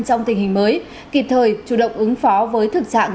trong tình hình mới kịp thời chủ động ứng phó với thực trạng